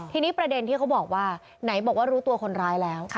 ทีนี้ประเด็นที่เขาบอกว่าไหนบอกว่ารู้ตัวคนร้ายแล้ว